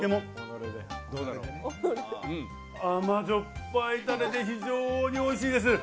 甘じょっぱいたれで、非常においしいです。